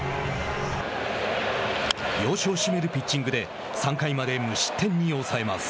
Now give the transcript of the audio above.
要所を締めるピッチングで３回まで無失点に抑えます。